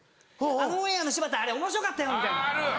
「あのオンエアの柴田あれおもしろかったよ」みたいな。